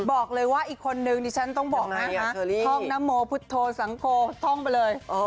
บอกเลยว่าอีกคนนึงดิฉันต้องบอกนะคะท่องนโมพุทธโธสังโคท่องไปเลย